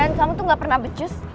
kamu tuh gak pernah becus